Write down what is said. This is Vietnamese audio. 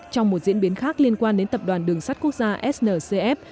trong một diễn biến khác liên quan đến tập đoàn đường sắt quốc gia sncf